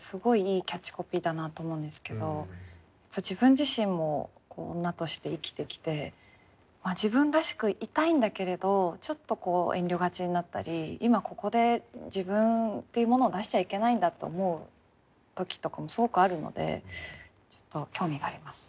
自分自身も女として生きてきて自分らしくいたいんだけれどちょっと遠慮がちになったり今ここで自分っていうものを出しちゃいけないんだと思う時とかもすごくあるのでちょっと興味があります。